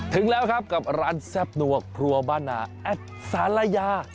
ถึงแล้วครับกับร้านแซ่บนัวครัวบ้านนาแอดสาลายา